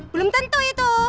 belum tentu itu